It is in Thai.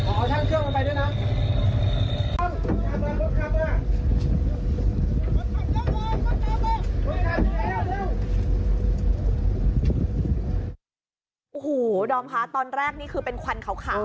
โอ้โหดอมคะตอนแรกนี่คือเป็นควันขาว